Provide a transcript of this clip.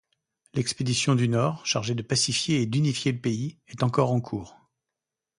L'expédition du nord, chargée de pacifier et d'unifier le pays, est encore en cours.